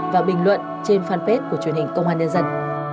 và bình luận trên fanpage của truyền hình công an nhân dân